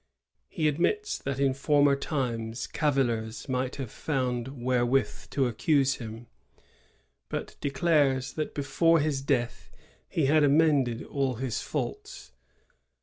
He admits that in former times cavillers might have found wherewith to accuse him, but declares that before his death he had amended all his faults.